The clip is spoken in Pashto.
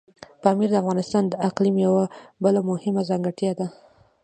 پامیر د افغانستان د اقلیم یوه بله مهمه ځانګړتیا ده.